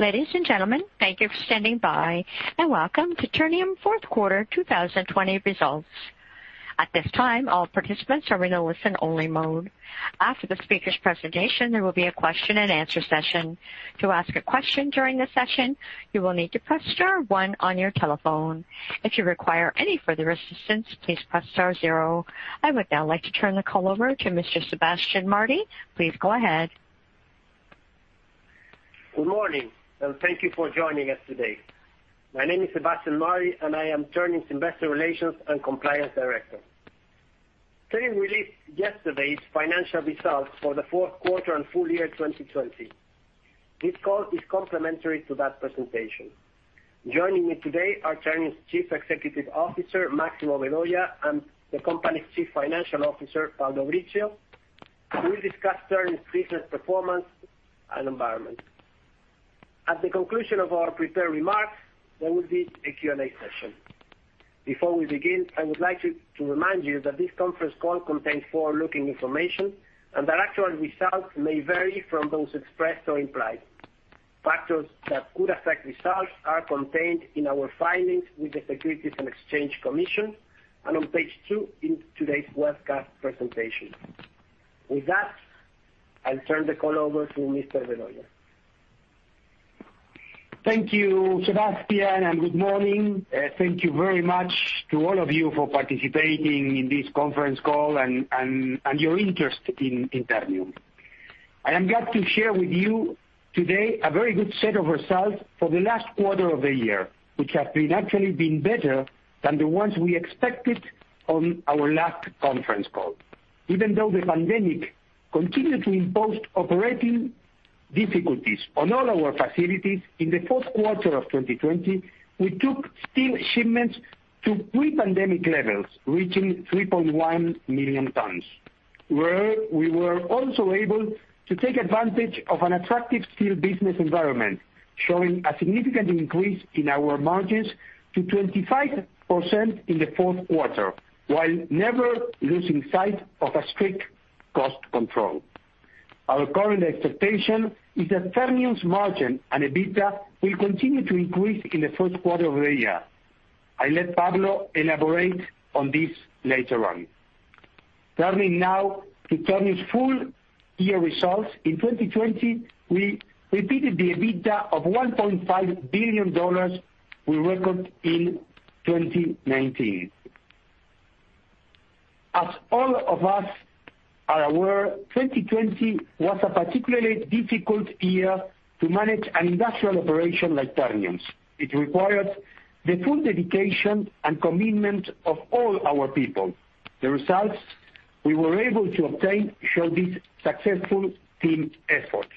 Ladies and gentlemen, thank you for standing by, and welcome to Ternium fourth quarter 2020 results. At this time, all participants are in a listen-only mode. After the speaker's presentation, there will be a question-and-answer session. To ask a question during the session, you will need to press star one on your telephone. If you require any further assistance, please press star zero. I would now like to turn the call over to Mr. Sebastián Martí. Please go ahead. Good morning, and thank you for joining us today. My name is Sebastián Martí, and I am Ternium's investor relations and compliance director. Ternium released yesterday's financial results for the fourth quarter and full year 2020. This call is complementary to that presentation. Joining me today are Ternium's Chief Executive Officer, Máximo Vedoya, and the company's Chief Financial Officer, Pablo Brizzio, who will discuss Ternium's business performance and environment. At the conclusion of our prepared remarks, there will be a Q&A session. Before we begin, I would like to remind you that this conference call contains forward-looking information, and that actual results may vary from those expressed or implied. Factors that could affect results are contained in our filings with the Securities and Exchange Commission and on page two in today's webcast presentation. With that, I'll turn the call over to Mr. Vedoya. Thank you, Sebastián, and good morning. Thank you very much to all of you for participating in this conference call and your interest in Ternium. I am glad to share with you today a very good set of results for the last quarter of the year, which have actually been better than the ones we expected on our last conference call. Even though the pandemic continued to impose operating difficulties on all our facilities in the fourth quarter of 2020, we took steel shipments to pre-pandemic levels, reaching 3.1 million tons. We were also able to take advantage of an attractive steel business environment, showing a significant increase in our margins to 25% in the fourth quarter, while never losing sight of a strict cost control. Our current expectation is that Ternium's margin and EBITDA will continue to increase in the first quarter of the year. I'll let Pablo elaborate on this later on. Turning now to Ternium's full year results. In 2020, we repeated the EBITDA of $1.5 billion we record in 2019. As all of us are aware, 2020 was a particularly difficult year to manage an industrial operation like Ternium's. It required the full dedication and commitment of all our people. The results we were able to obtain show this successful team effort.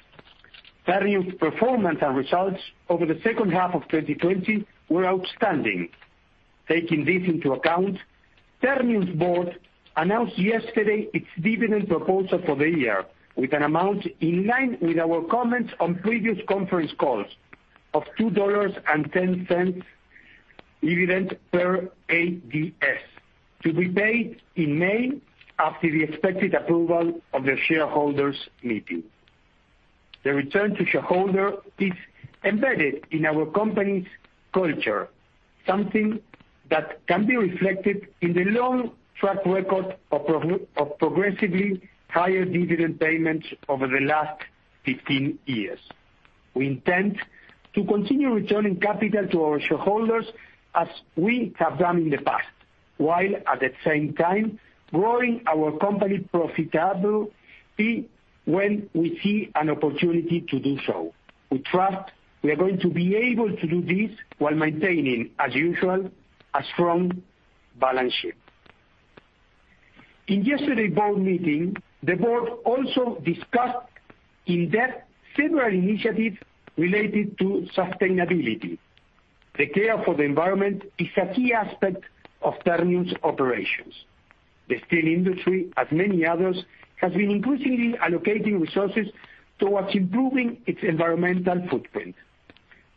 Ternium's performance and results over the second half of 2020 were outstanding. Taking this into account, Ternium's board announced yesterday its dividend proposal for the year with an amount in line with our comments on previous conference calls of $2.10 dividend per ADS to be paid in May after the expected approval of the shareholders meeting. The return to shareholder is embedded in our company's culture, something that can be reflected in the long track record of progressively higher dividend payments over the last 15 years. We intend to continue returning capital to our shareholders as we have done in the past, while at the same time growing our company profitably when we see an opportunity to do so. We trust we are going to be able to do this while maintaining, as usual, a strong balance sheet. In yesterday's board meeting, the board also discussed in depth several initiatives related to sustainability. The care for the environment is a key aspect of Ternium's operations. The steel industry, as many others, has been increasingly allocating resources towards improving its environmental footprint.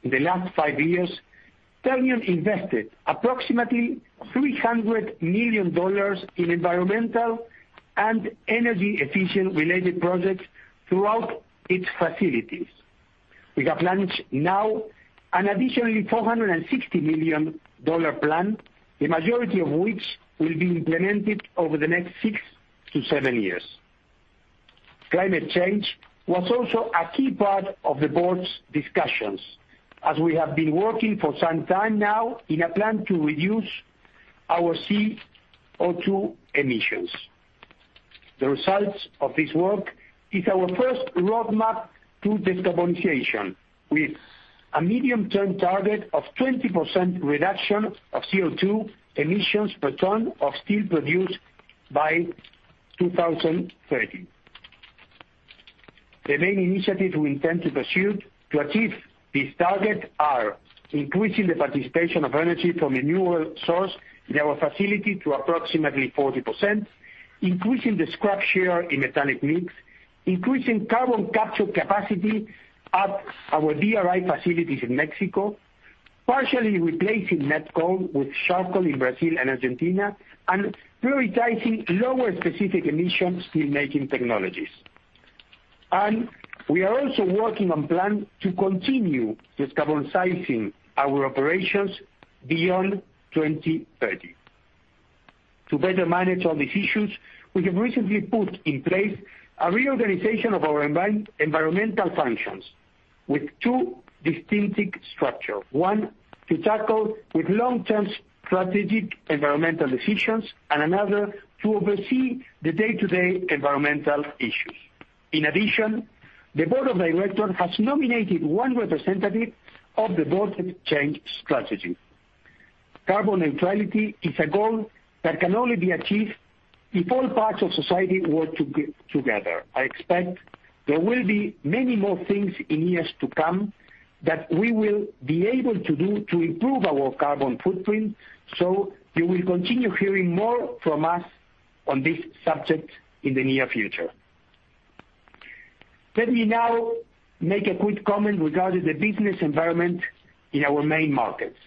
In the last five years, Ternium invested approximately $300 million in environmental and energy efficient related projects throughout its facilities. We have launched now an additionally $460 million plan, the majority of which will be implemented over the next six to seven years. Climate change was also a key part of the board's discussions, as we have been working for some time now in a plan to reduce our CO2 emissions. The results of this work is our first roadmap to decarbonization, with a medium-term target of 20% reduction of CO2 emissions per ton of steel produced by 2030. The main initiative we intend to pursue to achieve this target are increasing the participation of energy from renewable source in our facility to approximately 40%, increasing the scrap share in metallic mix, increasing carbon capture capacity at our DRI facilities in Mexico, partially replacing met coal with charcoal in Brazil and Argentina, and prioritizing lower specific-emission steelmaking technologies. We are also working on plan to continue decarbonizing our operations beyond 2030. To better manage all these issues, we have recently put in place a reorganization of our environmental functions with two distinctive structure, one to tackle with long-term strategic environmental decisions, and another to oversee the day-to-day environmental issues. In addition, the board of directors has nominated one representative of the board change strategy. Carbon neutrality is a goal that can only be achieved if all parts of society work together. I expect there will be many more things in years to come that we will be able to do to improve our carbon footprint. You will continue hearing more from us on this subject in the near future. Let me now make a quick comment regarding the business environment in our main markets.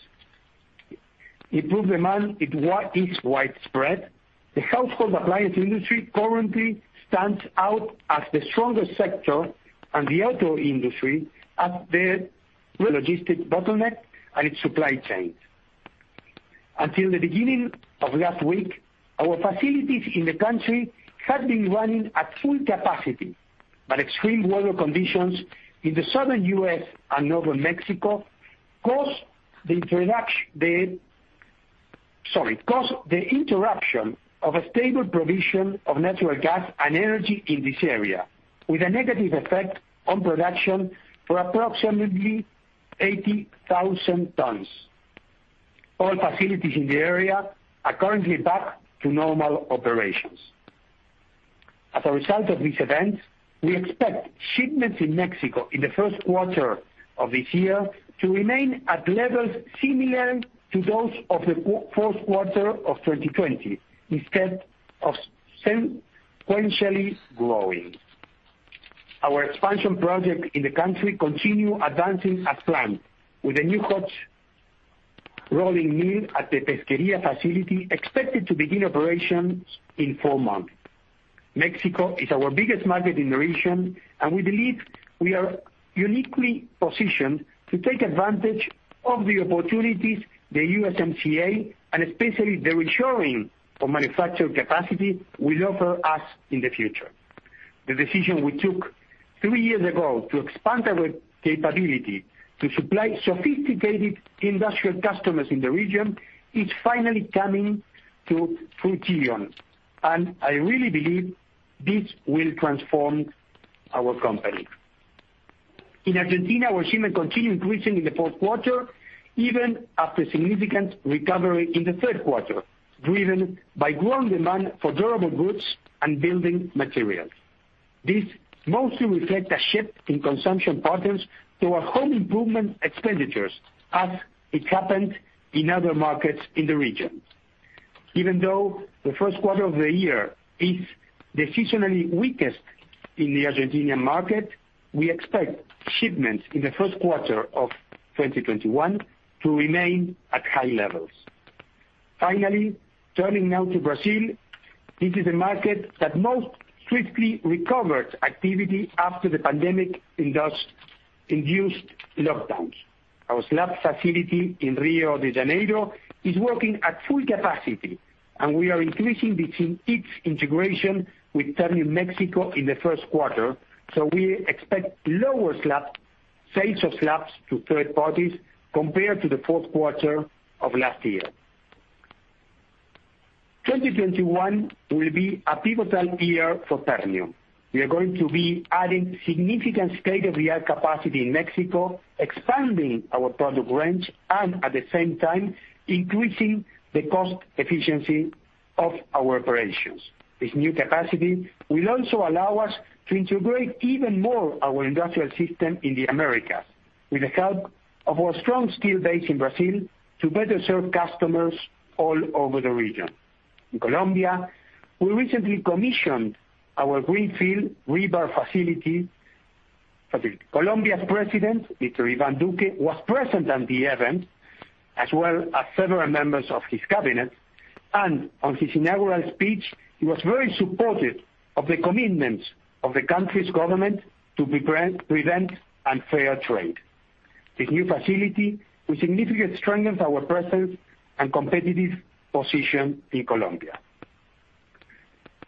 Improved demand is widespread. The household appliance industry currently stands out as the strongest sector, and the auto industry has the logistic bottleneck and its supply chains. Until the beginning of last week, our facilities in the country had been running at full capacity, but extreme weather conditions in the Southern U.S. and Northern Mexico caused the interruption of a stable provision of natural gas and energy in this area, with a negative effect on production for approximately 80,000 tons. All facilities in the area are currently back to normal operations. As a result of these events, we expect shipments in Mexico in the first quarter of this year to remain at levels similar to those of the fourth quarter of 2020, instead of sequentially growing. Our expansion project in the country continue advancing as planned, with a new hot-rolling mill at the Pesquería facility expected to begin operations in four months. Mexico is our biggest market in the region, and we believe we are uniquely positioned to take advantage of the opportunities the USMCA, and especially the reshoring of manufacture capacity, will offer us in the future. The decision we took three years ago to expand our capability to supply sophisticated industrial customers in the region is finally coming to fruition. I really believe this will transform our company. In Argentina, our shipment continued increasing in the fourth quarter, even after significant recovery in the third quarter, driven by growing demand for durable goods and building materials. This mostly reflect a shift in consumption patterns toward home improvement expenditures as it happened in other markets in the region. Even though the first quarter of the year is the seasonally weakest in the Argentinian market, we expect shipments in the first quarter of 2021 to remain at high levels. Finally, turning now to Brazil. This is a market that most swiftly recovered activity after the pandemic-induced lockdowns. Our slabs facility in Rio de Janeiro is working at full capacity, and we are increasing between its integration with Ternium Mexico in the first quarter. We expect lower sales of slabs to third parties compared to the fourth quarter of last year. 2021 will be a pivotal year for Ternium. We are going to be adding significant state-of-the-art capacity in Mexico, expanding our product range, and at the same time, increasing the cost efficiency of our operations. This new capacity will also allow us to integrate even more our industrial system in the Americas, with the help of our strong steel base in Brazil to better serve customers all over the region. In Colombia, we recently commissioned our greenfield rebar facility. Colombia's president, Mr. Iván Duque, was present at the event, as well as several members of his cabinet. On his inaugural speech, he was very supportive of the commitments of the country's government to prevent unfair trade. This new facility will significantly strengthen our presence and competitive position in Colombia.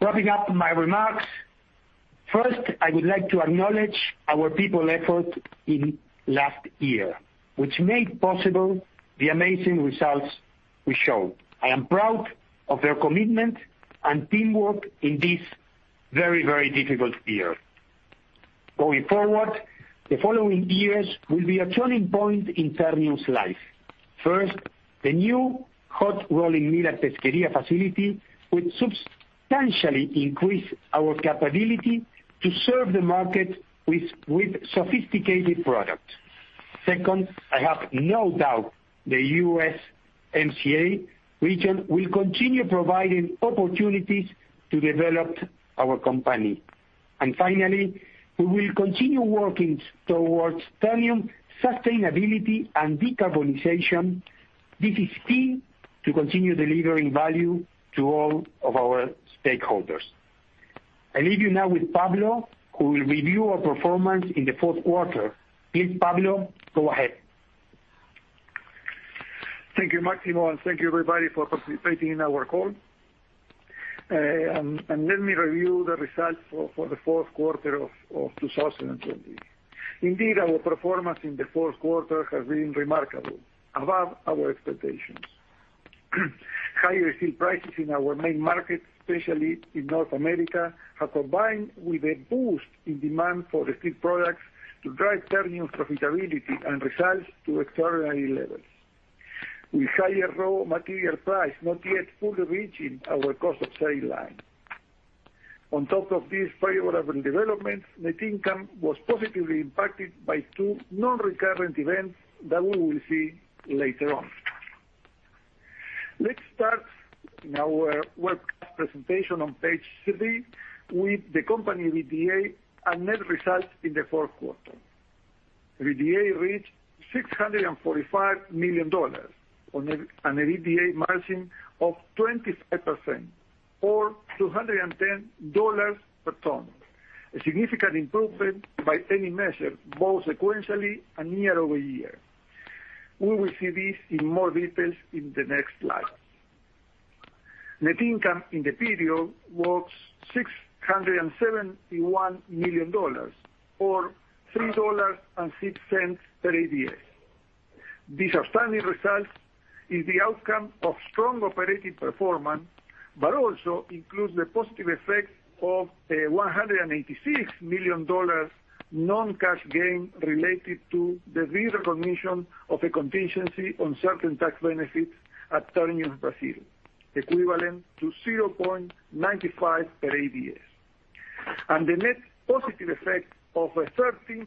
Wrapping up my remarks, first, I would like to acknowledge our people effort in last year, which made possible the amazing results we showed. I am proud of their commitment and teamwork in this very difficult year. Going forward, the following years will be a turning point in Ternium's life. First, the new hot-rolling mill at Pesquería facility will substantially increase our capability to serve the market with sophisticated products. Second, I have no doubt the USMCA region will continue providing opportunities to develop our company. Finally, we will continue working towards Ternium sustainability and decarbonization. This is key to continue delivering value to all of our stakeholders. I leave you now with Pablo, who will review our performance in the fourth quarter. Please, Pablo, go ahead. Thank you, Máximo, and thank you everybody for participating in our call. Let me review the results for the fourth quarter of 2020. Indeed, our performance in the fourth quarter has been remarkable, above our expectations. Higher steel prices in our main market, especially in North America, have combined with a boost in demand for the steel products to drive Ternium profitability and results to extraordinary levels, with higher raw material price not yet fully reaching our cost of sale line. On top of these favorable developments, net income was positively impacted by two non-recurrent events that we will see later on. Let's start our presentation on page three with the company EBITDA and net results in the fourth quarter. EBITDA reached $645 million on an EBITDA margin of 25%, or $210 per ton, a significant improvement by any measure, both sequentially and year-over-year. We will see this in more details in the next slide. Net income in the period was $671 million, or $3.06 per ADS. These outstanding results are the outcome of strong operating performance, but also includes the positive effect of a $186 million non-cash gain related to the re-recognition of a contingency on certain tax benefits at Ternium Brasil, equivalent to $0.95 per ADS, and the net positive effect of a 13%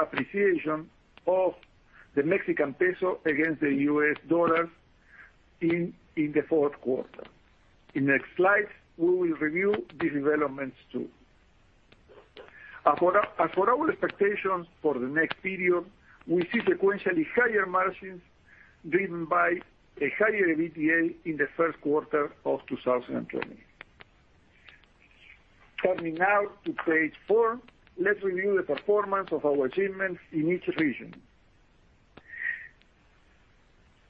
appreciation of the Mexican peso against the U.S. dollar in the fourth quarter. In the next slide, we will review these developments, too. As for our expectations for the next period, we see sequentially higher margins driven by a higher EBITDA in the first quarter of 2021. Turning now to page four, let's review the performance of our shipments in each region.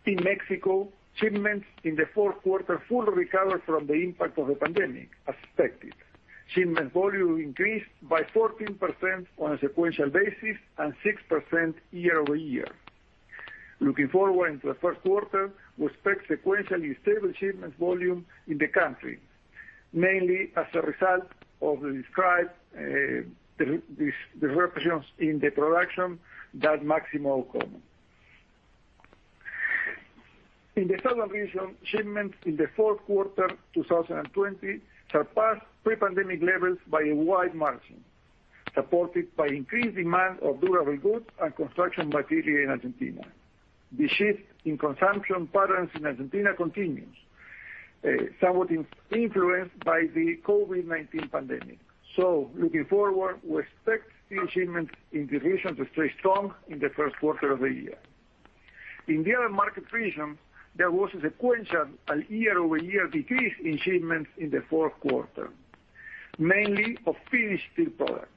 In Mexico, shipments in the fourth quarter fully recovered from the impact of the pandemic, as expected. Shipment volume increased by 14% on a sequential basis and 6% year-over-year. Looking forward into the first quarter, we expect sequentially stable shipment volume in the country, mainly as a result of the described disruptions in the production that Máximo covered. In the southern region, shipments in the fourth quarter 2020 surpassed pre-pandemic levels by a wide margin, supported by increased demand of durable goods and construction material in Argentina. The shift in consumption patterns in Argentina continues, somewhat influenced by the COVID-19 pandemic. Looking forward, we expect steel shipments in the region to stay strong in the first quarter of the year. In the other market regions, there was a sequential and year-over-year decrease in shipments in the fourth quarter, mainly of finished steel products.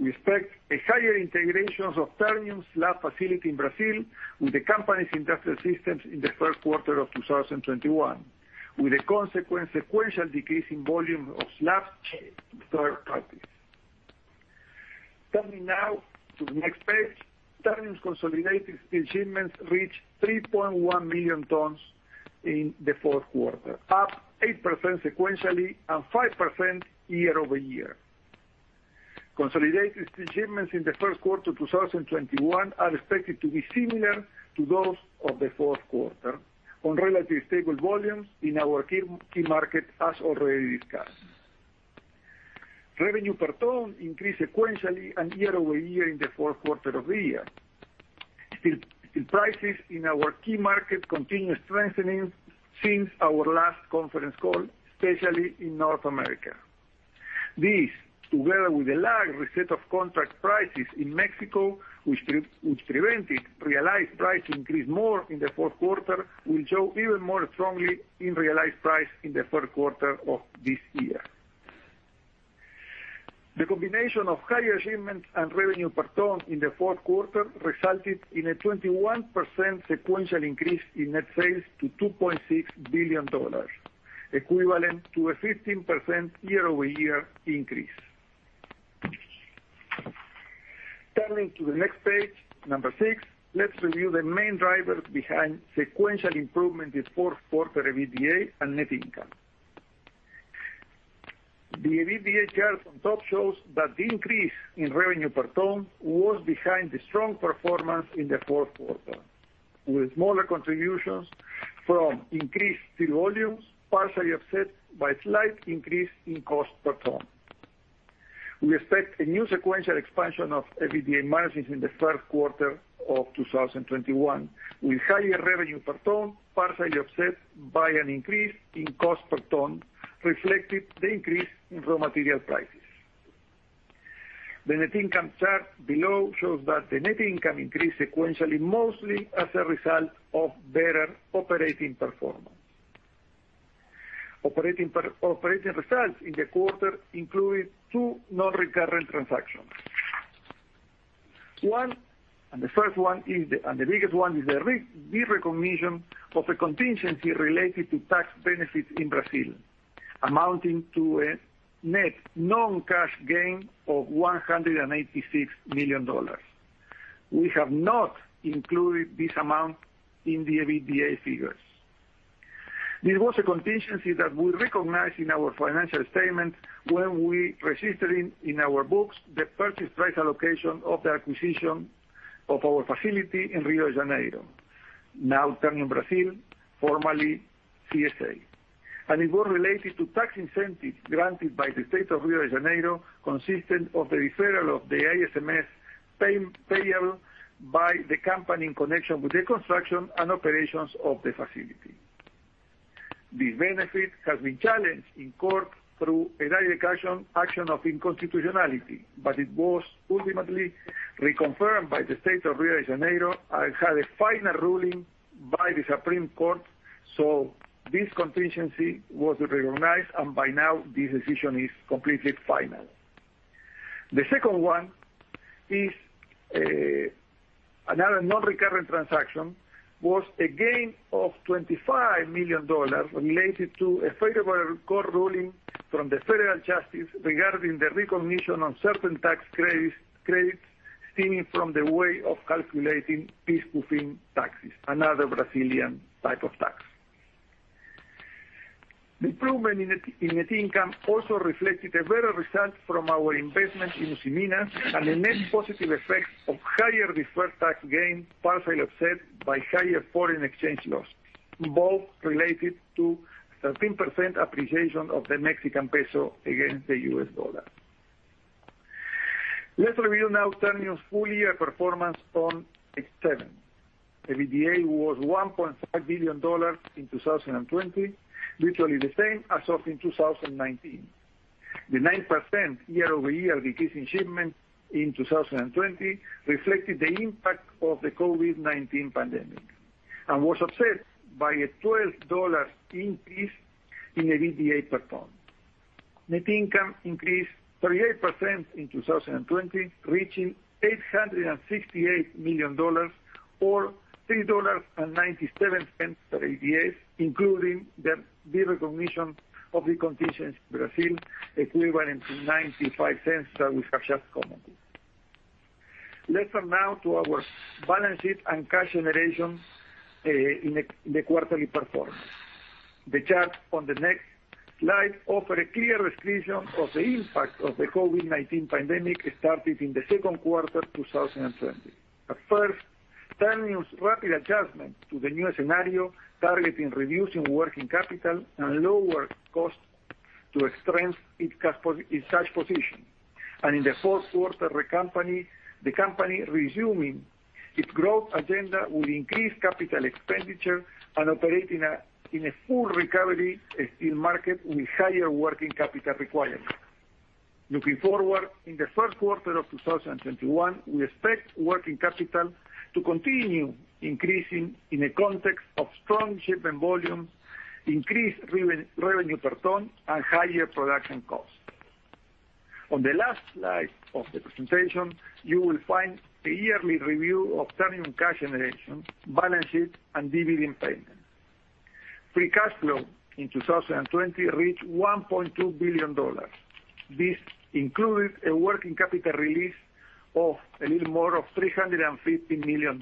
We expect a higher integrations of Ternium slab facility in Brazil with the company's industrial systems in the first quarter of 2021, with a consequent sequential decrease in volume of slab shipments to third parties. Turning now to the next page, Ternium's consolidated steel shipments reached 3.1 million tons in the fourth quarter, up 8% sequentially and 5% year-over-year. Consolidated steel shipments in the first quarter of 2021 are expected to be similar to those of the fourth quarter on relatively stable volumes in our key market, as already discussed. Revenue per ton increased sequentially and year-over-year in the fourth quarter of the year. Steel prices in our key market continue strengthening since our last conference call, especially in North America. This, together with a lagged reset of contract prices in Mexico, which prevented realized price increase more in the fourth quarter, will show even more strongly in realized price in the first quarter of this year. The combination of higher shipments and revenue per ton in the fourth quarter resulted in a 21% sequential increase in net sales to $2.6 billion, equivalent to a 15% year-over-year increase. Turning to the next page, number six, let's review the main drivers behind sequential improvement in fourth quarter EBITDA and net income. The EBITDA chart on top shows that the increase in revenue per ton was behind the strong performance in the fourth quarter, with smaller contributions from increased steel volumes, partially offset by a slight increase in cost per ton. We expect a new sequential expansion of EBITDA margins in the first quarter of 2021, with higher revenue per ton partially offset by an increase in cost per ton, reflecting the increase in raw material prices. The net income chart below shows that the net income increased sequentially, mostly as a result of better operating performance. Operating results in the quarter included two non-recurrent transactions. The first one, and the biggest one is the re-recognition of a contingency related to tax benefits in Brazil, amounting to a net non-cash gain of $186 million. We have not included this amount in the EBITDA figures. This was a contingency that we recognized in our financial statement when we registered in our books the purchase price allocation of the acquisition of our facility in Rio de Janeiro, now Ternium Brasil, formerly CSA. It was related to tax incentives granted by the state of Rio de Janeiro, consistent of the deferral of the ICMS payable by the company in connection with the construction and operations of the facility. This benefit has been challenged in court through a Direct Action of Unconstitutionality, but it was ultimately reconfirmed by the state of Rio de Janeiro and had a final ruling by the Supreme Court. This contingency was recognized, and by now this decision is completely final. The second one is another non-recurrent transaction, was a gain of $25 million related to a favorable court ruling from the federal justice regarding the recognition of certain tax credits stemming from the way of calculating PIS/COFINS taxes, another Brazilian type of tax. The improvement in net income also reflected a better result from our investment in Usiminas and the net positive effects of higher deferred tax gain, partially offset by higher foreign exchange loss, both related to 13% appreciation of the Mexican peso against the U.S. dollar. Let's review now Ternium's full-year performance on page seven. EBITDA was $1.5 billion in 2020, virtually the same as of in 2019. The 9% year-over-year decrease in shipments in 2020 reflected the impact of the COVID-19 pandemic, and was offset by a $12 increase in the EBITDA per ton. Net income increased 38% in 2020, reaching $868 million or $3.97 per ADS, including the re-recognition of the contingency in Brazil, equivalent to $0.95 that we have just commented. Let's turn now to our balance sheet and cash generation in the quarterly performance. The chart on the next slide offers a clear description of the impact of the COVID-19 pandemic that started in the second quarter of 2020. At first, Ternium’s rapid adjustment to the new scenario, targeting reducing working capital and lower cost to strengthen its cash position. In the fourth quarter, the company resuming its growth agenda will increase capital expenditure and operate in a full recovery steel market with higher working capital requirements. Looking forward, in the first quarter of 2021, we expect working capital to continue increasing in a context of strong shipment volume, increased revenue per ton, and higher production cost. On the last slide of the presentation, you will find a yearly review of Ternium cash generation, balance sheet, and dividend payment. Free cash flow in 2020 reached $1.2 billion. This included a working capital release of a little more of $350 million.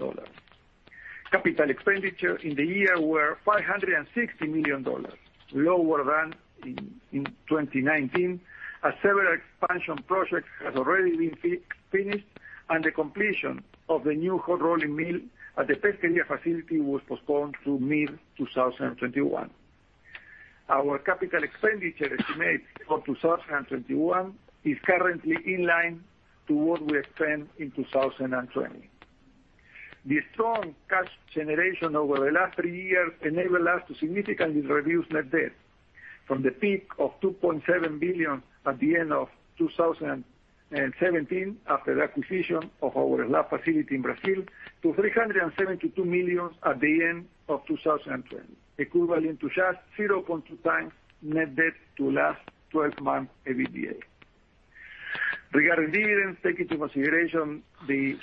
Capital expenditure in the year were $560 million, lower than in 2019, as several expansion projects has already been finished, and the completion of the new hot-rolling mill at the Pesquería facility was postponed to mid-2021. Our capital expenditure estimate for 2021 is currently in line to what we spent in 2020. The strong cash generation over the last three years enabled us to significantly reduce net debt from the peak of $2.7 billion at the end of 2017 after the acquisition of our slab facility in Brazil to $372 million at the end of 2020, equivalent to just 0.2x net debt to last 12 months EBITDA. Regarding dividends, take into consideration the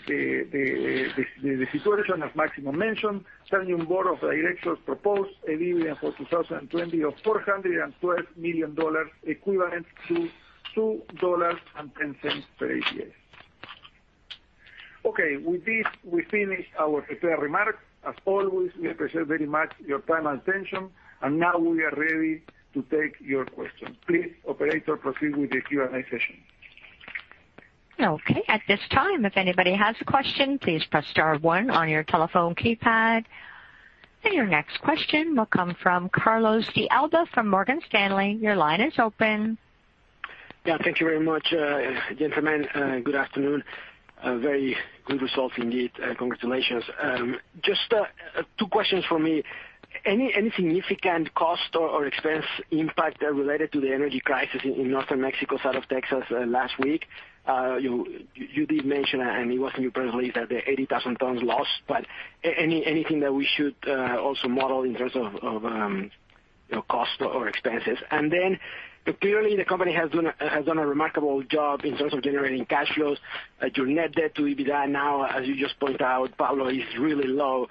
situation, as Máximo mentioned, Ternium Board of Directors proposed a dividend for 2020 of $412 million, equivalent to $2.10 per ADS. Okay. With this, we finish our prepared remarks. As always, we appreciate very much your time and attention, and now we are ready to take your questions. Please, operator, proceed with the Q&A session. Okay. At this time, if anybody has a question, please press star one on your telephone keypad. Your next question will come from Carlos De Alba from Morgan Stanley. Your line is open. Yeah. Thank you very much, gentlemen. Good afternoon. A very good result indeed. Congratulations. Just two questions from me. Any significant cost or expense impact related to the energy crisis in Northern Mexico, south of Texas last week? You did mention, and it was in your press release that the 80,000 tons lost, anything that we should also model in terms of cost or expenses? Clearly the company has done a remarkable job in terms of generating cash flows. Your net debt to EBITDA now, as you just pointed out, Pablo, is really low.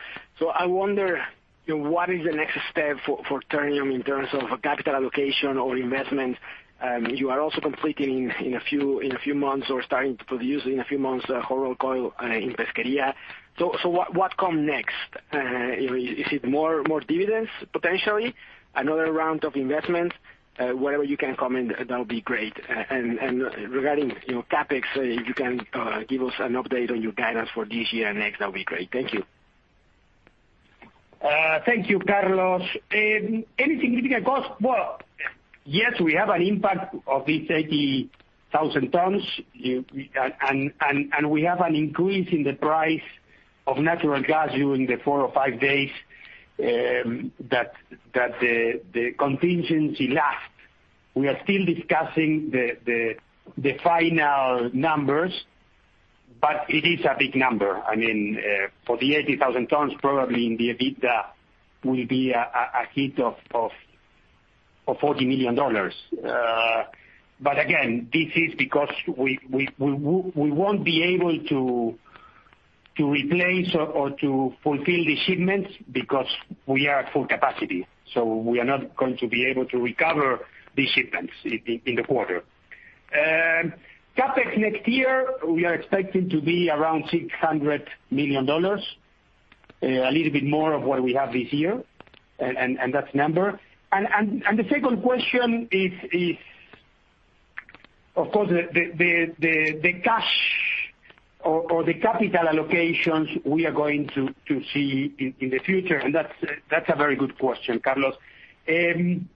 I wonder, what is the next step for Ternium in terms of capital allocation or investment? You are also completing in a few months or starting to produce in a few months, hot-rolled coil in Pesquería. What come next? Is it more dividends, potentially? Another round of investment? Whatever you can comment, that'll be great. Regarding CapEx, if you can give us an update on your guidance for this year and next, that'll be great. Thank you. Thank you, Carlos. Any significant cost? Well, yes, we have an impact of this 80,000 tons. We have an increase in the price of natural gas during the four or five days that the contingency lasts. We are still discussing the final numbers, but it is a big number. For the 80,000 tons, probably in the EBITDA will be a hit of $40 million. Again, this is because we won't be able to replace or to fulfill the shipments because we are at full capacity, so we are not going to be able to recover the shipments in the quarter. CapEx next year, we are expecting to be around $600 million. A little bit more of what we have this year, that's number. The second question is, of course, the cash or the capital allocations we are going to see in the future, and that's a very good question, Carlos. 2020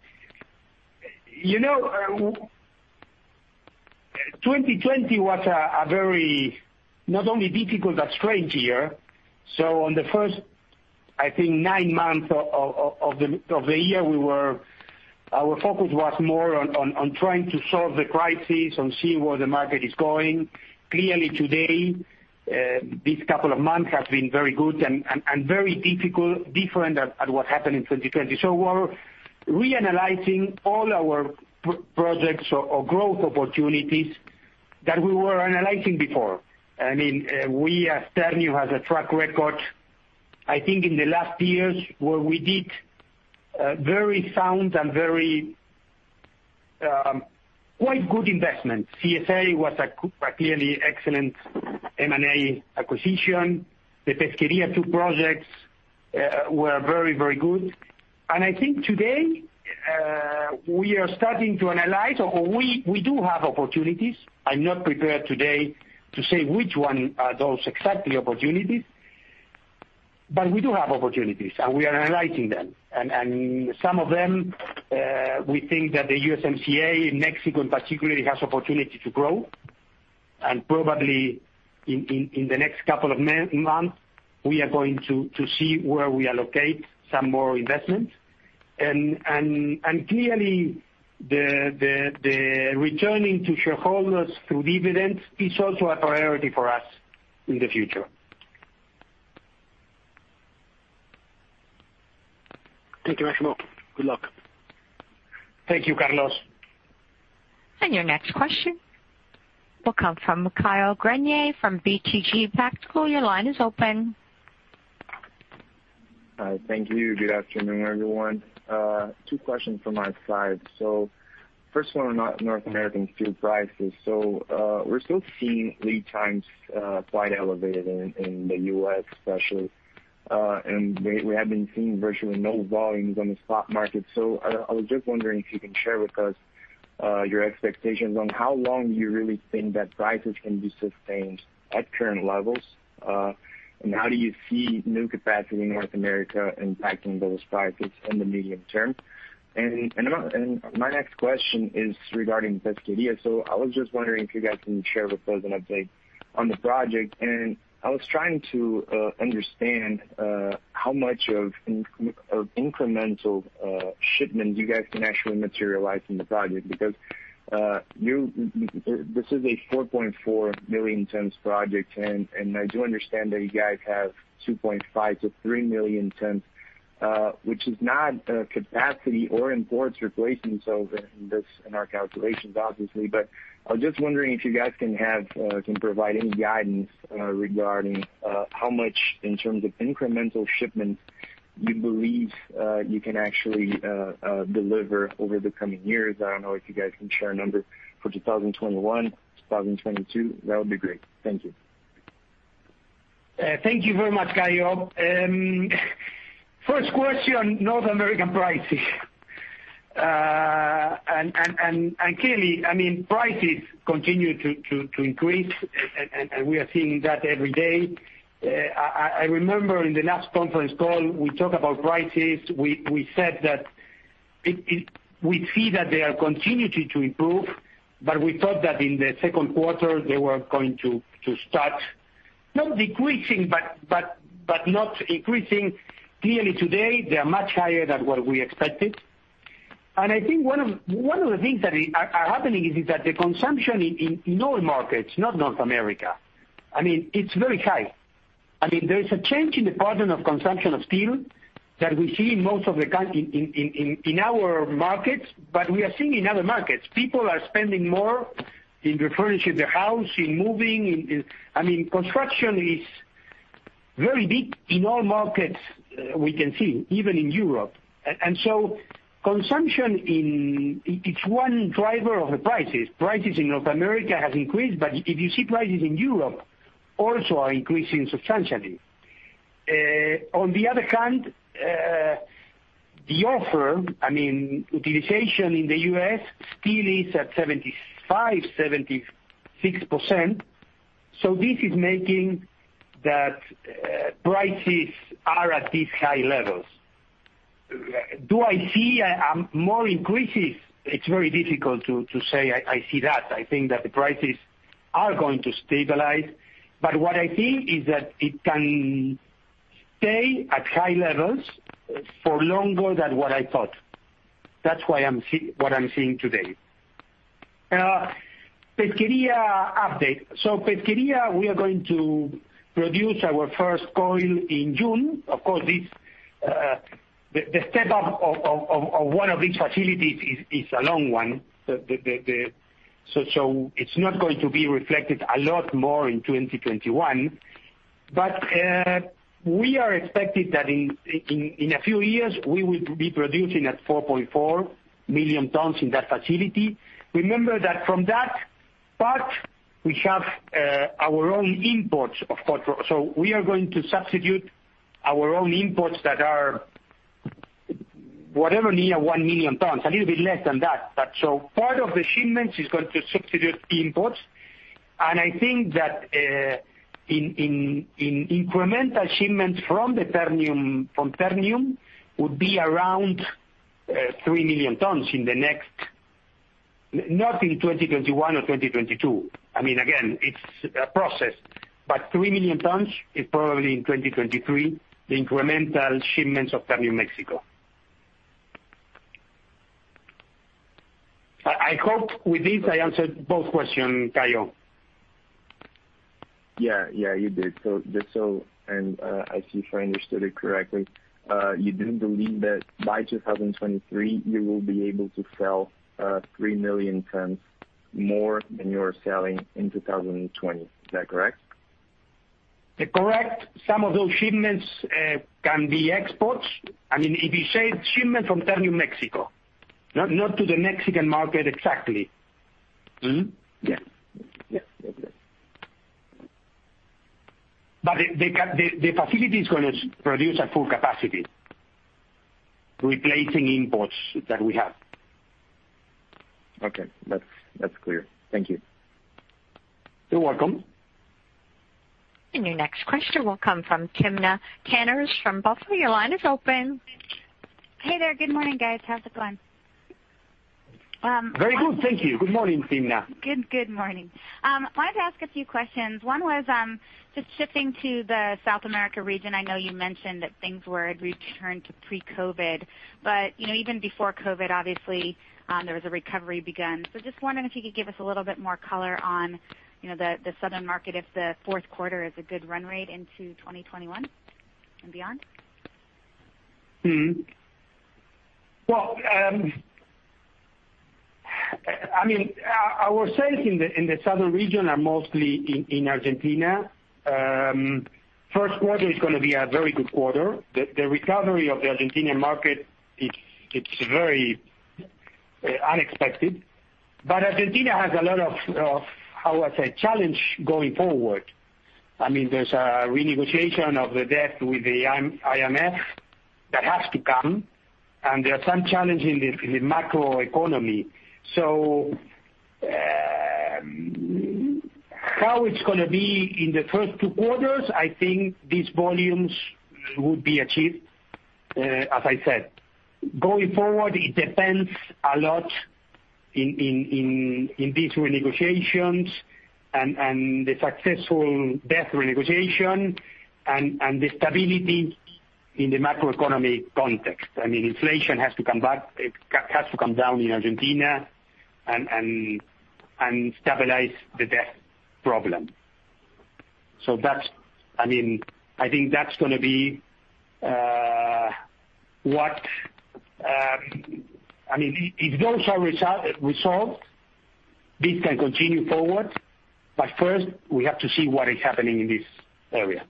was a very, not only difficult, but strange year. On the first, I think nine months of the year, our focus was more on trying to solve the crisis, on seeing where the market is going. Clearly today, this couple of months have been very good and very different at what happened in 2020. We're reanalyzing all our projects or growth opportunities that we were analyzing before. We, as Ternium, have a track record, I think in the last years, where we did very sound and very quite good investments. CSA was a clearly excellent M&A acquisition. The Pesquería II projects were very good. I think today, we are starting to analyze, or we do have opportunities. I'm not prepared today to say which one are those exactly opportunities, but we do have opportunities, and we are analyzing them. Some of them, we think that the USMCA in Mexico in particularly, has opportunity to grow. Probably in the next couple of months, we are going to see where we allocate some more investment. Clearly, the returning to shareholders through dividends is also a priority for us in the future. Thank you, Máximo. Good luck. Thank you, Carlos. Your next question will come from Caio Greiner from BTG Pactual. Your line is open. Thank you. Good afternoon, everyone. Two questions from my side. First one on North American steel prices. We're still seeing lead times quite elevated in the U.S. especially. We have been seeing virtually no volumes on the stock market. I was just wondering if you can share with us your expectations on how long do you really think that prices can be sustained at current levels? How do you see new capacity in North America impacting those prices in the medium term? My next question is regarding Pesquería. I was just wondering if you guys can share with us an update on the project. I was trying to understand how much of incremental shipment you guys can actually materialize in the project, because this is a 4.4 million tons project, and I do understand that you guys have 2.5-3 million tons, which is not capacity or imports replacement in our calculations, obviously. I was just wondering if you guys can provide any guidance regarding how much, in terms of incremental shipments, you believe you can actually deliver over the coming years. I don't know if you guys can share a number for 2021, 2022. That would be great. Thank you. Thank you very much, Caio. First question, North American prices. Clearly, prices continue to increase, and we are seeing that every day. I remember in the last conference call, we talked about prices. We said that we see that they are continuing to improve, but we thought that in the second quarter, they were going to start not decreasing, but not increasing. Clearly today, they are much higher than what we expected. I think one of the things that are happening is that the consumption in all markets, not North America, it's very high. There is a change in the pattern of consumption of steel that we see in our markets, but we are seeing in other markets. People are spending more in furnishing their house, in moving. Construction is very big in all markets we can see, even in Europe. Consumption, it's one driver of the prices. Prices in North America has increased, if you see prices in Europe also are increasing substantially. On the other hand, the offer, utilization in the U.S. still is at 75%-76%. This is making that prices are at these high levels. Do I see more increases? It's very difficult to say I see that. I think that the prices are going to stabilize, what I think is that it can stay at high levels for longer than what I thought. That's what I'm seeing today. Pesquería update. Pesquería, we are going to produce our first coil in June. Of course, the step-up of one of these facilities is a long one. It's not going to be reflected a lot more in 2021. We are expecting that in a few years, we will be producing at 4.4 million tons in that facility. Remember that from that part, we have our own imports, of course. We are going to substitute our own imports that are whatever near 1 million tons, a little bit less than that. Part of the shipments is going to substitute imports. I think that in incremental shipments from Ternium would be around 3 million tons in the next, not in 2021 or 2022. Again, it's a process, but 3 million tons is probably in 2023, the incremental shipments of Ternium Mexico. I hope with this I answered both questions, Caio. Yeah, you did. If I understood it correctly, you do believe that by 2023, you will be able to sell 3 million tons more than you are selling in 2020. Is that correct? Correct. Some of those shipments can be exports. If you say shipments from Ternium Mexico, not to the Mexican market exactly. Mm-hmm. Yeah. The facility is going to produce at full capacity, replacing imports that we have. Okay. That's clear. Thank you. You're welcome. Your next question will come from Timna Tanners from BofA, your line is open. Hey there. Good morning, guys. How's it going? Very good, thank you. Good morning, Timna. Good morning. I wanted to ask a few questions. One was just shifting to the South America region. I know you mentioned that things were returned to pre-COVID, but even before COVID, obviously, there was a recovery begun. I am just wondering if you could give us a little bit more color on the southern market if the fourth quarter is a good run rate into 2021 and beyond. Well, our sales in the southern region are mostly in Argentina. First quarter is going to be a very good quarter. The recovery of the Argentinian market, it's very unexpected. Argentina has a lot of, how I say, challenge going forward. There's a renegotiation of the debt with the IMF that has to come, and there are some challenge in the macroeconomy. How it's going to be in the first two quarters, I think these volumes will be achieved, as I said. Going forward, it depends a lot in these renegotiations and the successful debt renegotiation and the stability in the macroeconomy context. Inflation has to come down in Argentina and stabilize the debt problem. I think that's going to be what, if those are resolved, this can continue forward. First, we have to see what is happening in this area.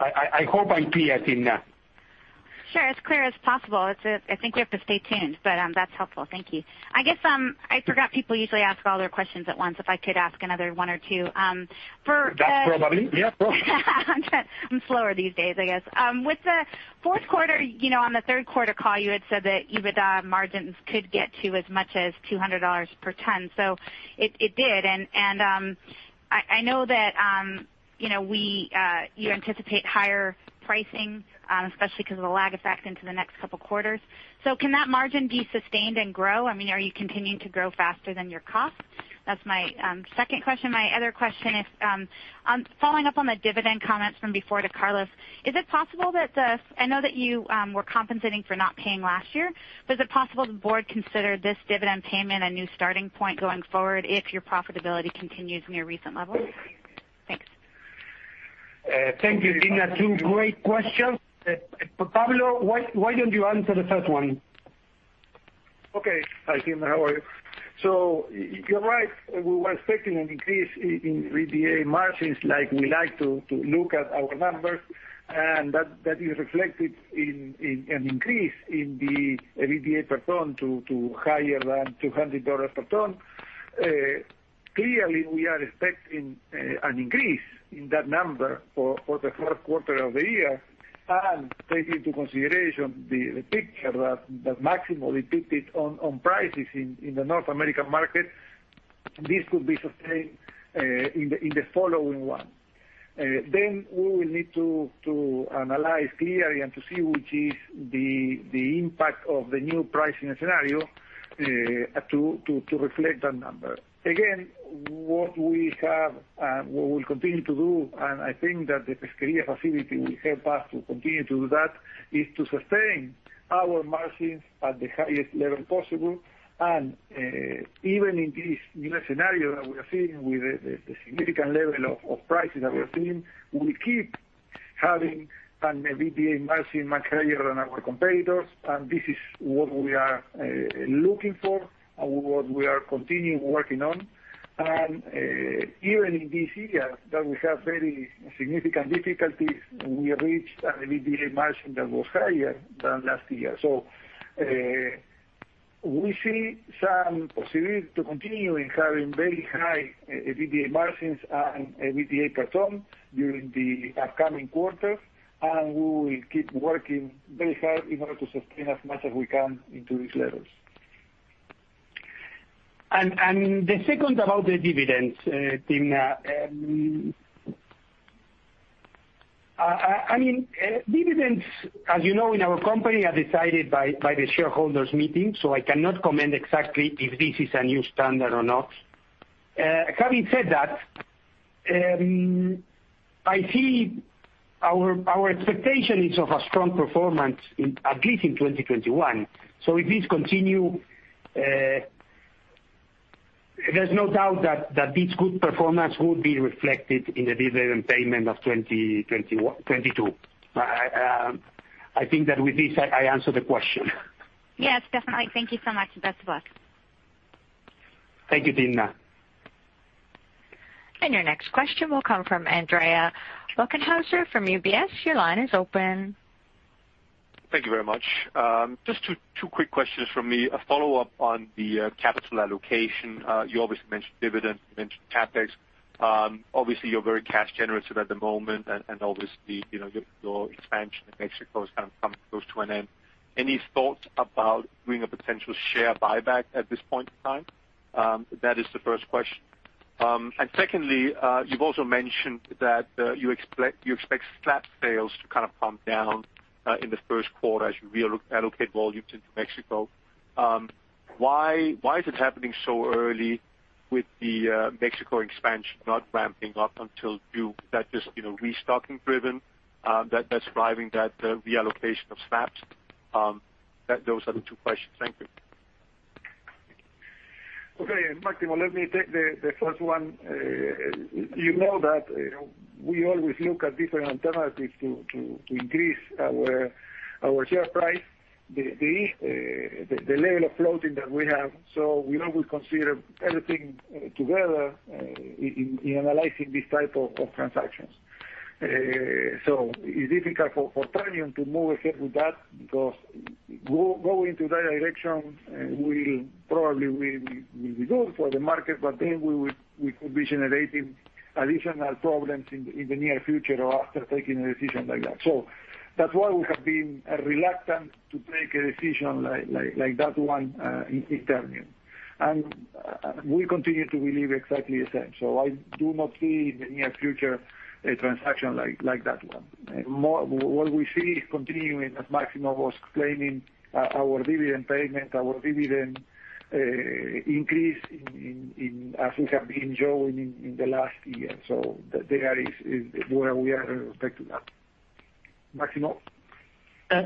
I hope I'm clear, Timna. Sure. As clear as possible. I think we have to stay tuned, but that's helpful. Thank you. I guess I forgot people usually ask all their questions at once. If I could ask another one or two. That's probably. Yeah, of course. I'm slower these days, I guess. With the fourth quarter, on the third quarter call, you had said that EBITDA margins could get to as much as $200 per ton. It did. I know that you anticipate higher pricing, especially because of the lag effect into the next couple quarters. Can that margin be sustained and grow? Are you continuing to grow faster than your cost? That's my second question. My other question is, following up on the dividend comments from before to Carlos: I know that you were compensating for not paying last year, is it possible the board consider this dividend payment a new starting point going forward if your profitability continues near recent levels? Thanks. Thank you, Timna. Two great questions. Pablo, why don't you answer the first one? Hi, Timna. How are you? You're right, we were expecting an increase in EBITDA margins like we like to look at our numbers, and that is reflected in an increase in the EBITDA per ton to higher than $200 per ton. Clearly, we are expecting an increase in that number for the fourth quarter of the year, and take into consideration the picture that Máximo depicted on prices in the North American market, this could be sustained in the following one. We will need to analyze clearly and to see which is the impact of the new pricing scenario to reflect that number. Again, what we have and what we'll continue to do, and I think that the Pesquería facility will help us to continue to do that, is to sustain our margins at the highest level possible. Even in this new scenario that we are seeing with the significant level of prices that we are seeing, we keep having an EBITDA margin much higher than our competitors, and this is what we are looking for and what we are continuing working on. Even in this year that we have very significant difficulties, we reached an EBITDA margin that was higher than last year. We see some possibility to continue in having very high EBITDA margins and EBITDA per ton during the upcoming quarters, and we will keep working very hard in order to sustain as much as we can into these levels. The second about the dividends, Timna. Dividends, as you know, in our company, are decided by the shareholders meeting, so I cannot comment exactly if this is a new standard or not. Having said that, I see our expectation is of a strong performance at least in 2021. If this continue, there's no doubt that this good performance will be reflected in the dividend payment of 2022. I think that with this, I answer the question. Yes, definitely. Thank you so much. Best of luck. Thank you, Timna. Your next question will come from Andreas Bokkenheuser from UBS. Your line is open. Thank you very much. Just two quick questions from me. A follow-up on the capital allocation. You obviously mentioned dividends, you mentioned CapEx. Obviously, you're very cash generative at the moment, and obviously, your expansion in Mexico is kind of coming close to an end. Any thoughts about doing a potential share buyback at this point in time? That is the first question. Secondly, you've also mentioned that you expect slab sales to kind of pump down in the first quarter as you reallocate volumes into Mexico. Why is it happening so early with the Mexico expansion not ramping up until June? Is that just restocking driven that's driving that reallocation of slabs? Those are the two questions. Thank you. Okay. Máximo, let me take the first one. You know that we always look at different alternatives to increase our share price, the level of floating that we have. We always consider everything together in analyzing this type of transactions. It's difficult for Ternium to move ahead with that because going to that direction will probably be good for the market, but then we could be generating additional problems in the near future or after taking a decision like that. That's why we have been reluctant to take a decision like that one in Ternium. We continue to believe exactly the same. I do not see in the near future a transaction like that one. What we see is continuing, as Máximo was claiming, our dividend payment, our dividend increase as we have been showing in the last year. There is where we are expecting that. Máximo?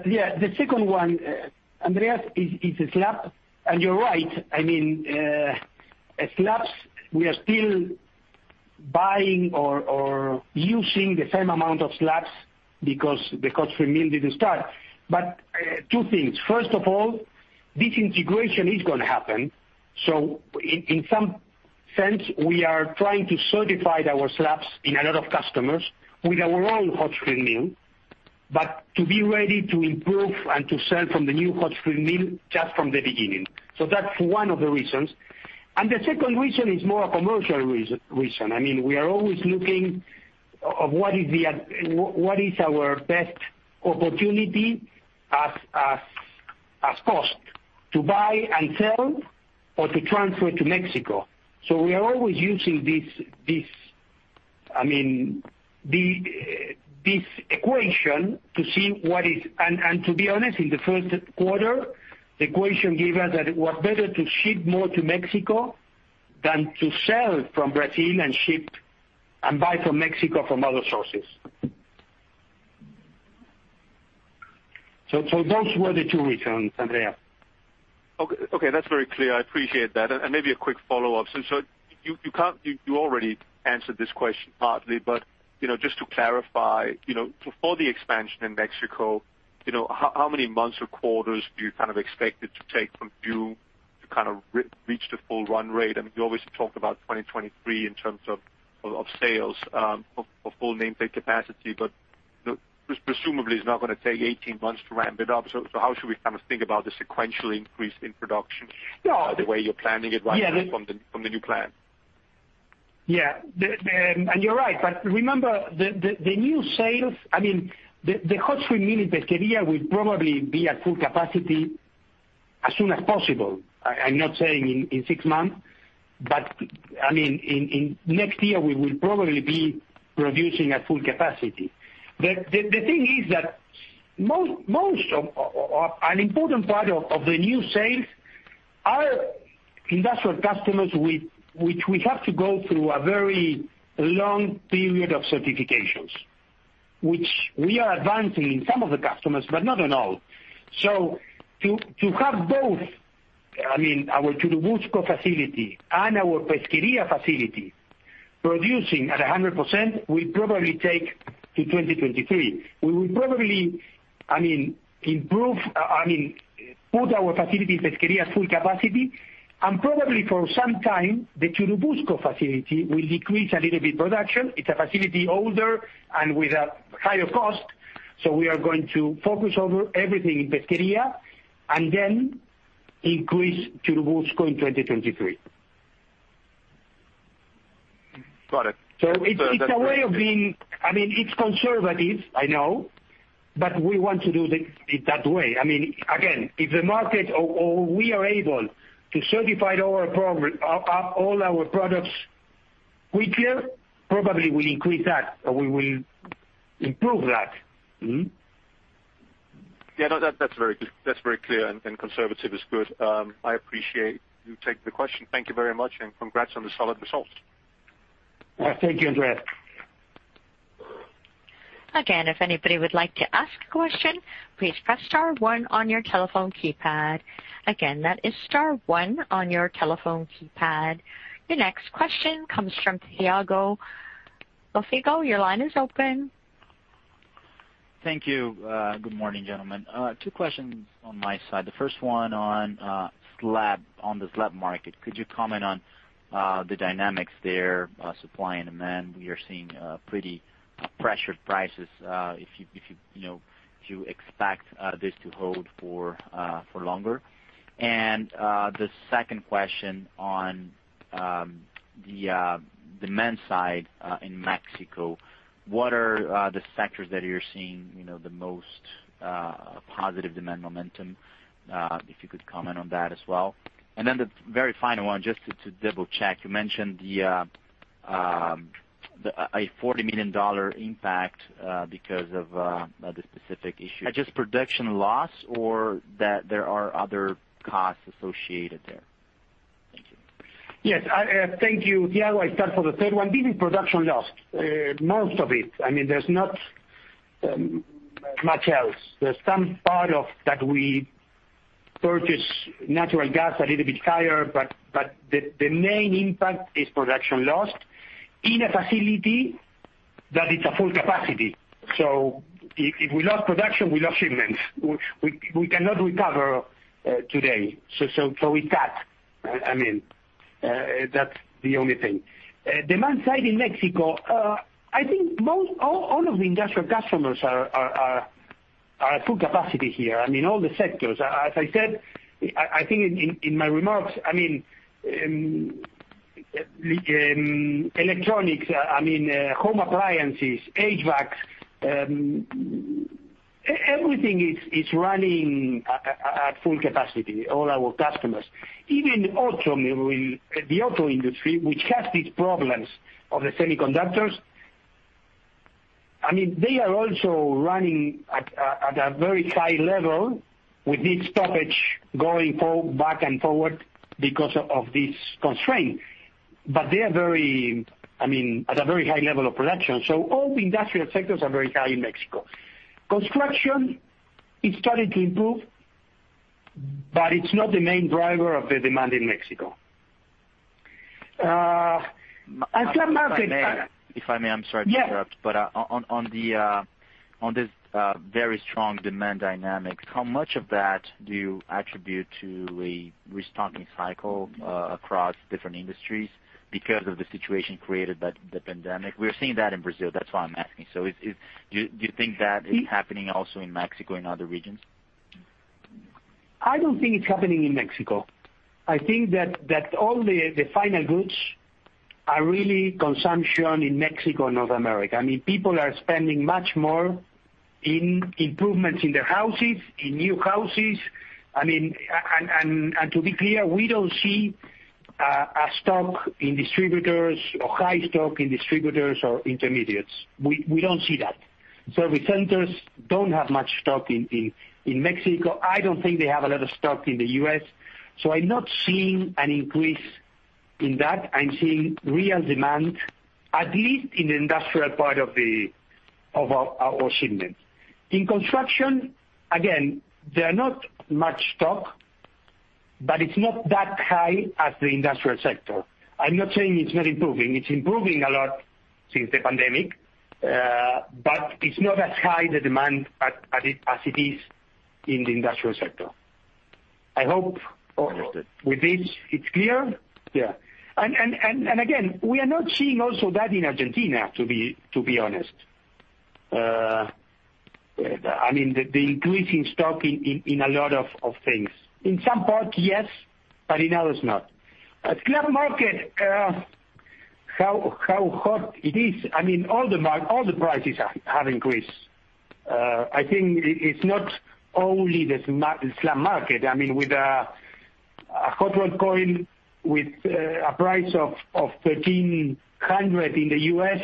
Yeah. The second one, Andreas, is slab. You're right, slabs, we are still buying or using the same amount of slabs because the hot-strip mill didn't start. Two things. First of all, this integration is going to happen. In some sense, we are trying to certify our slabs in a lot of customers with our own hot-strip mill, but to be ready to improve and to sell from the new hot-strip mill just from the beginning. That's one of the reasons. The second reason is more a commercial reason. We are always looking at what is our best opportunity as cost to buy and sell or to transfer to Mexico. We are always using this equation, to see what is. To be honest, in the first quarter, the equation gave us that it was better to ship more to Mexico, than to sell from Brazil and ship and buy from Mexico from other sources. Those were the two reasons, Andreas. Okay. That's very clear. I appreciate that. Maybe a quick follow-up. You already answered this question partly, but just to clarify, before the expansion in Mexico, how many months or quarters do you expect it to take from you to reach the full run rate? You obviously talked about 2023 in terms of sales, of full nameplate capacity, but presumably it's not going to take 18 months to ramp it up. How should we think about the sequential increase in production? Yeah. The way you're planning it right now from the new plan? Yeah. You're right, but remember the new sales, the hot-strip mill in Pesquería will probably be at full capacity as soon as possible. I'm not saying in six months, but next year we will probably be producing at full capacity. The thing is that most of an important part of the new sales are industrial customers, which we have to go through a very long period of certifications. Which we are advancing in some of the customers, but not in all. To have both our Churubusco facility and our Pesquería facility producing at 100% will probably take to 2023. We will probably put our facility in Pesquería at full capacity, and probably for some time, the Churubusco facility will decrease a little bit production. It's a facility older and with a higher cost. We are going to focus over everything in Pesquería, and then increase Churubusco in 2023. Got it. It's a way of being, it's conservative, I know, but we want to do it that way. Again, if the market or we are able to certify all our products quicker, probably we'll increase that, or we will improve that. Yeah. No, that's very clear and conservative is good. I appreciate you taking the question. Thank you very much, and congrats on the solid results. Thank you, Andreas. Again, if anybody would like to ask a question, please press star one on your telephone keypad. Again, that is star one on your telephone keypad. The next question comes from Thiago Lofiego. Your line is open. Thank you. Good morning, gentlemen. Two questions on my side. The first one on the slab market. Could you comment on the dynamics there, supply and demand? We are seeing pretty pressured prices. If you expect this to hold for longer? The second question on the demand side in Mexico, what are the sectors that you're seeing the most positive demand momentum? If you could comment on that as well. Then the very final one, just to double-check, you mentioned a $40 million impact because of the specific issue. Just production loss or that there are other costs associated there? Thank you. Yes. Thank you, Thiago. I start for the third one. This is production loss. Most of it. There's not much else. There's some part of that we purchase natural gas a little bit higher, but the main impact is production lost in a facility that it's at full capacity. If we lose production, we lose shipments. We cannot recover today. We cut. That's the only thing. Demand side in Mexico, I think all of the industrial customers are at full capacity here. All the sectors. As I said, I think in my remarks, electronics, home appliances, HVAC, everything is running at full capacity, all our customers. Even the auto industry, which has these problems of the semiconductors, they are also running at a very high level with this stoppage going back and forward because of this constraint. They are at a very high level of production. All the industrial sectors are very high in Mexico. Construction is starting to improve, but it's not the main driver of the demand in Mexico. If I may, I'm sorry to interrupt. Yeah. On this very strong demand dynamics, how much of that do you attribute to a restocking cycle across different industries because of the situation created by the pandemic? We're seeing that in Brazil, that's why I'm asking. Do you think that is happening also in Mexico and other regions? I don't think it's happening in Mexico. I think that all the final goods are really consumption in Mexico, North America. People are spending much more in improvements in their houses, in new houses. To be clear, we don't see a stock in distributors or high stock in distributors or intermediates. We don't see that. Service centers don't have much stock in Mexico. I don't think they have a lot of stock in the U.S. I'm not seeing an increase in that. I'm seeing real demand, at least in the industrial part of our shipments. In construction, again, there are not much stock, but it's not that high as the industrial sector. I'm not saying it's not improving. It's improving a lot since the pandemic, but it's not as high the demand as it is in the industrial sector. Understood. With this, it's clear. Yeah. Again, we are not seeing also that in Argentina, to be honest. The increase in stock in a lot of things. In some parts, yes, but in others, not. Slab market, how hot it is, all the prices have increased. I think it's not only the slab market. With a hot-rolled coil with a price of $1,300 in the U.S.,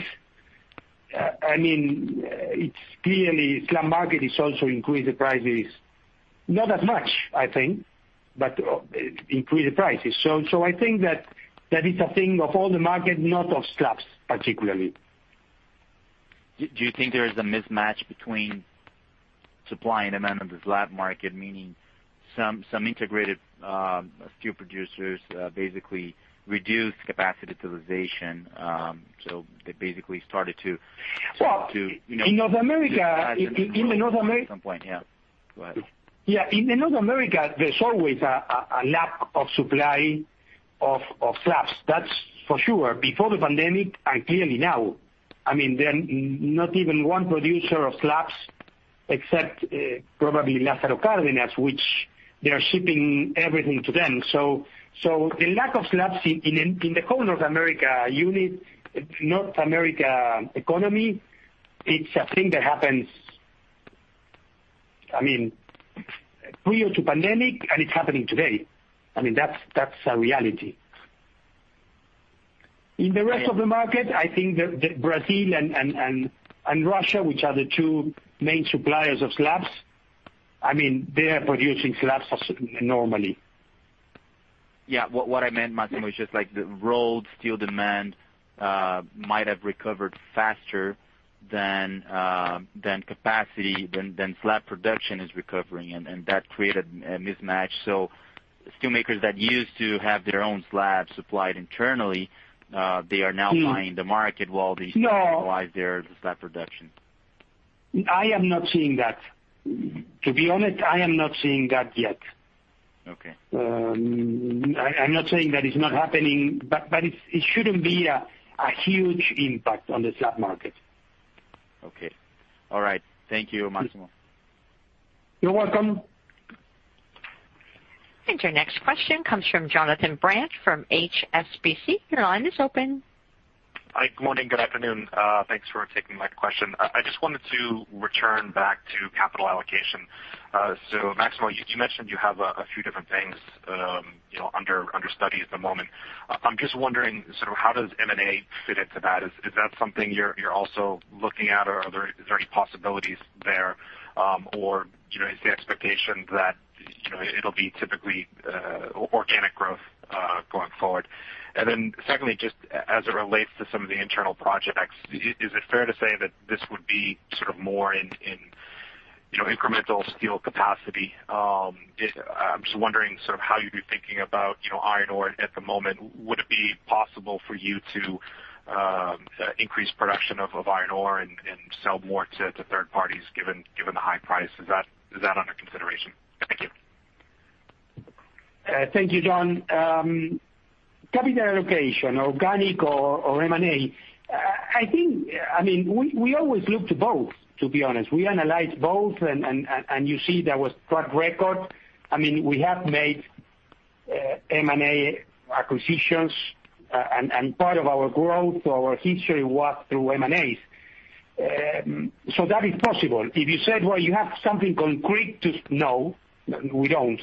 clearly slab market has also increased the prices. Not that much, I think, increased the prices. I think that it's a thing of all the market, not of slabs particularly. Do you think there is a mismatch between supply and demand of the slab market? Meaning some integrated steel producers basically reduced capacity utilization. Well, in North America. At some point, yeah. Go ahead. In North America, there's always a lack of supply of slabs. That's for sure. Before the pandemic, and clearly now. There's not even one producer of slabs except probably Lázaro Cárdenas, which they're shipping everything to them. The lack of slabs in the whole North America economy, it's a thing that happens prior to pandemic, and it's happening today. That's a reality. In the rest of the market, I think that Brazil and Russia, which are the two main suppliers of slabs, they are producing slabs normally. Yeah. What I meant, Máximo, is just like the rolled steel demand might have recovered faster than capacity, than slab production is recovering, and that created a mismatch. Steelmakers that used to have their own slabs supplied internally, they are now buying the market while. No. They utlize their slab production. I am not seeing that. To be honest, I am not seeing that yet. Okay. I'm not saying that it's not happening, but it shouldn't be a huge impact on the slab market. Okay. All right. Thank you, Máximo. You're welcome. Your next question comes from Jonathan Brandt from HSBC. Your line is open. Hi, good morning, good afternoon. Thanks for taking my question. I just wanted to return back to capital allocation. Máximo, you mentioned you have a few different things under study at the moment. I'm just wondering, sort of how does M&A fit into that? Is that something you're also looking at, or are there any possibilities there? Is the expectation that it'll be typically organic growth going forward? Then secondly, just as it relates to some of the internal projects, is it fair to say that this would be sort of more in incremental steel capacity? I'm just wondering sort of how you'd be thinking about iron ore at the moment. Would it be possible for you to increase production of iron ore and sell more to third parties, given the high price? Is that under consideration? Thank you. Thank you, Jon. Capital allocation, organic or M&A. We always look to both, to be honest. We analyze both, and you see there was track record. We have made M&A acquisitions, and part of our growth, our history was through M&As. That is possible. If you said, 'Well, you have something concrete.' No, we don't.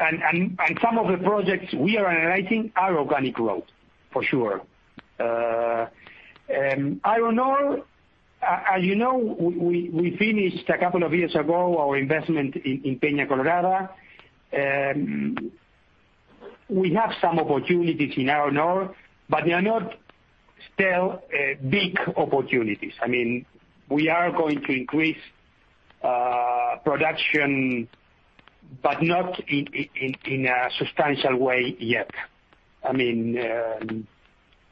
Some of the projects we are analyzing are organic growth, for sure. Iron ore, as you know, we finished a couple of years ago, our investment in Peña Colorada. We have some opportunities in iron ore, but they are not still big opportunities. We are going to increase production, but not in a substantial way yet.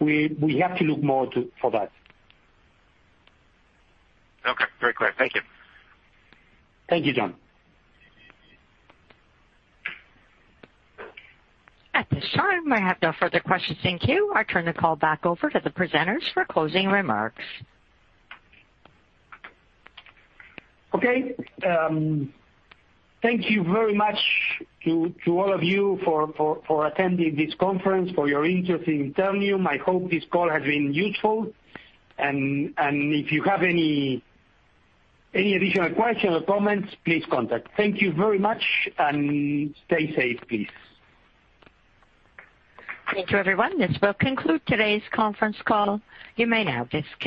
We have to look more for that. Okay. Very clear. Thank you. Thank you, Jon. At this time, I have no further questions. Thank you. I turn the call back over to the presenters for closing remarks. Okay. Thank you very much to all of you for attending this conference, for your interest in Ternium. I hope this call has been useful. If you have any additional questions or comments, please contact. Thank you very much, and stay safe, please. Thank you, everyone. This will conclude today's conference call. You may now disconnect.